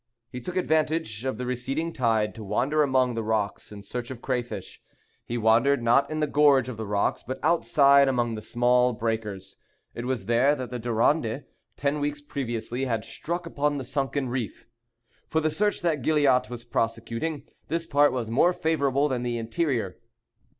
He took advantage of the receding tide to wander among the rocks in search of crayfish. He wandered, not in the gorge of the rocks, but outside among the smaller breakers. It was there that the Durande, ten weeks previously, had struck upon the sunken reef. For the search that Gilliatt was prosecuting, this part was more favorable than the interior.